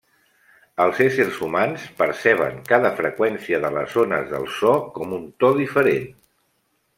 Els éssers humans perceben cada freqüència de les ones del so com un to diferent.